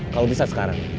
kalau bisa sekarang